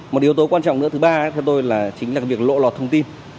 một yếu tố quan trọng nữa thứ ba theo tôi là chính là việc lộ lọt thông tin